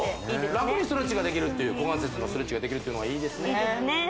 そうラクにストレッチができるっていう股関節のストレッチができるっていうのはいいですね